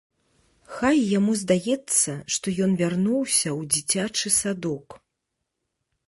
Хай яму здаецца, што ён вярнуўся ў дзіцячы садок.